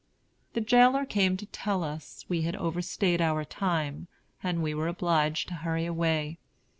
The jailer came to tell us we had overstayed our time, and we were obliged to hurry away.